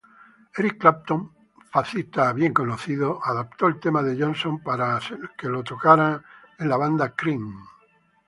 Eric Clapton adaptó el tema de Johnson para ser tocado con su banda Cream.